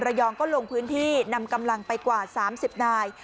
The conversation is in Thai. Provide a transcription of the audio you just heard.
รองก็ลงพื้นที่นำกำลังไปกว่า๓๐นาย